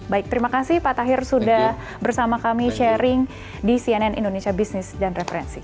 baik terima kasih pak tahir sudah bersama kami sharing di cnn indonesia business dan referensi